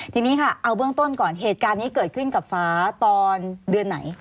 ทีนี้ค่ะเอาเบื้องต้นก่อนเหตุการณ์นี้เกิดขึ้นกับฟ้าตอนเดือนไหน